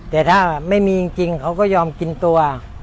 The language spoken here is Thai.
แต่ถ้าไม่มีจริงเขาก็ยอมกินตัว